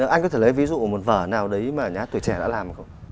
anh có thể lấy ví dụ một vở nào đấy mà nhà hát tuổi trẻ đã làm không